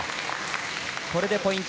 これでポイント